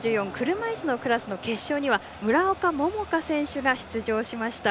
車いすのクラスの決勝には村岡桃佳選手が出場しました。